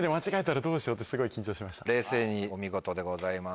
冷静にお見事でございます。